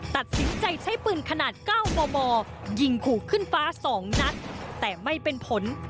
ตัดสินใจใช้ปืนขนาด๙มมยิงขู่ขึ้นฟ้า๒นัดแต่ไม่เป็นผล